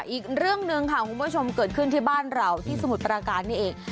อีกเรื่องหนึ่งค่ะคุณผู้ชมเกิดขึ้นที่บ้านเราที่สมุทรปราการนี่เอง